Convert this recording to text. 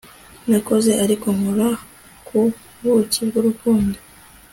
nakoze ariko nkora ku buki bwurukundo